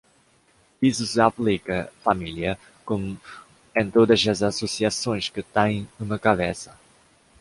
Isso se aplica à família, como em todas as associações que têm uma cabeça.